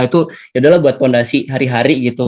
itu yaudahlah buat fondasi hari hari gitu